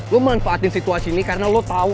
lo manfaatin situasi ini karena lo tahu